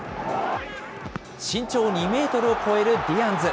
身長２メートルを超えるディアンズ。